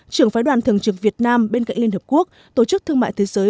trưởng phái đoàn thường trực việt nam bên cạnh liên hợp quốc tổ chức thương mại thế giới